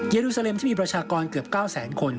เยอรูซาเลมที่มีประชากรเกือบ๙๐๐๐๐๐คน